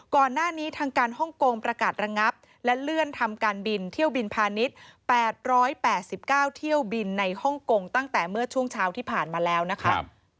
ก่อนหน้านี้ทางการฮ่องกงประกาศระงับและเลื่อนทำการบินเที่ยวบินพาณิชย์๘๘๙เที่ยวบินในฮ่องกงตั้งแต่เมื่อช่วงเช้าที่ผ่านมาแล้วนะคะ